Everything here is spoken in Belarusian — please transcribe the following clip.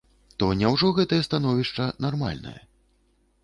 То няўжо гэтае становішча нармальнае?